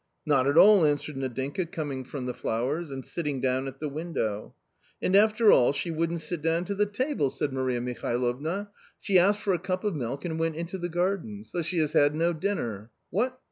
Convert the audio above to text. " Not at all," answered Nadinka, coming from the flowers, and sitting down at the window. " And after all she wouldn't sit down to the table !" said A COMMON STORY 91 Maria Mihalovna :" she asked for a cup of milk and went into the garden ; so she has had no dinner. What